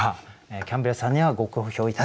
キャンベルさんにはご好評頂きました。